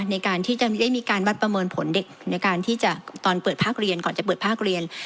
ในการที่จะได้มีการวัดประเมินผลเด็กในการที่จะตอนเปิดภาคเรียนก่อนจะเปิดภาคเรียน